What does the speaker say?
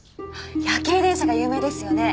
夜景電車が有名ですよね。